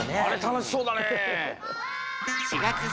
あれたのしそうだね！